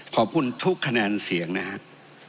ขอบคุณทุกคะแนนเสียงนะครับ